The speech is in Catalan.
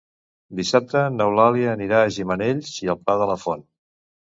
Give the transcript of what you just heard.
Dissabte n'Eulàlia anirà a Gimenells i el Pla de la Font.